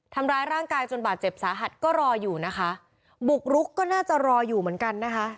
ทำร้ายร่างกายจนบาดเจ็บสาหัสก็รออยู่นะคะบุกรุกก็น่าจะรออยู่เหมือนกันนะคะ